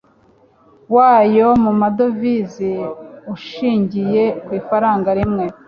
wayo mu madovize ushingiye ku ifaranga rimwe